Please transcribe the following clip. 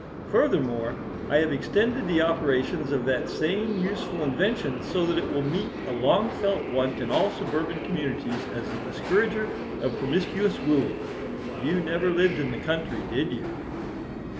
Furthermore, I have extended the operations of that same useful invention so that it will meet a long felt want in all suburban communities as a discourager of promiscuous wooing. You never lived in the country, did you?"